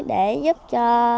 để giúp cho